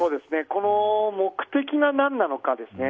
目的が何なのかですね。